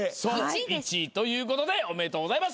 １位ということでおめでとうございます。